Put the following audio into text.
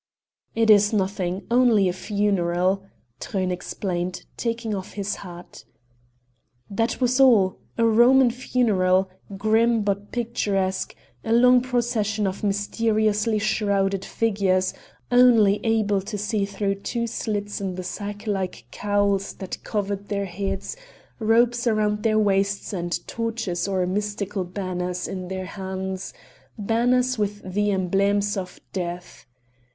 "It is nothing only a funeral," Truyn explained, taking off his hat. That was all a Roman funeral, grim but picturesque a long procession of mysteriously shrouded figures, only able to see through two slits in the sack like cowls that covered their heads, ropes round their waists, and torches or mystical banners in their hands banners with the emblems of death.